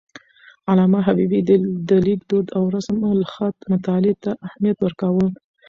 علامه حبيبي د لیک دود او رسم الخط مطالعې ته اهمیت ورکاوه.